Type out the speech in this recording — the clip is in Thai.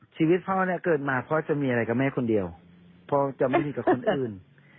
ชีวิตพ่อเนี่ยเกิดมาพ่อจะมีอะไรกับแม่คนเดียวพ่อจะไม่ดีกับคนอื่น